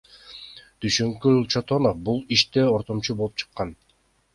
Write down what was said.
Дүйшөнкул Чотонов бул иште ортомчу болуп чыккан.